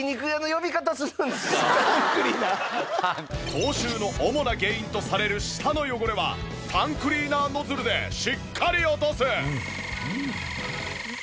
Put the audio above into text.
口臭の主な原因とされる舌の汚れはタンクリーナーノズルでしっかり落とす。